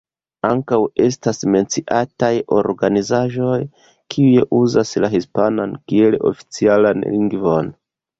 Ankaŭ estas menciataj organizaĵoj kiuj uzas la hispanan kiel oficialan lingvon.